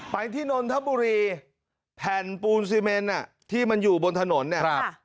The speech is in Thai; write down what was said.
ไปที่นนทบุรีแผ่นปูนซีเมนอ่ะที่มันอยู่บนถนนเนี่ย